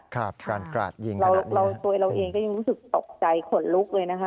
การกราดยิงเราตัวเราเองก็ยังรู้สึกตกใจขนลุกเลยนะคะ